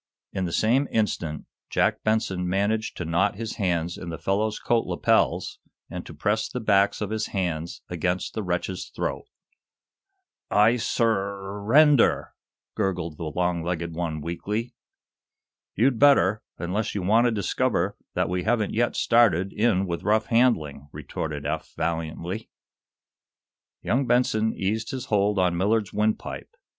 In the same instant Jack Benson managed to knot his hands in the fellow's coat lapels, and to press the backs of his hands against the wretch's throat. "I sur ug g gh! er render," gurgled the long legged one, weakly. "You'd better, unless you want to discover that we haven't yet started in with rough handling," retorted Eph valiantly. Young Benson eased his hold on Millard's wind pipe.